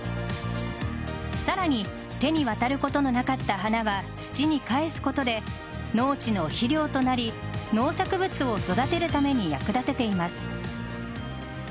さらに手にわたることのなかった花は土に返すことで農地の肥料となり農作物を育てるために役立てています。